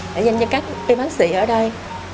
để dành cho các y bác sĩ ở đây